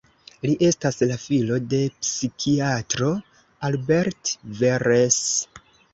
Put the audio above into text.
Li estas la filo de psikiatro Albert Veress.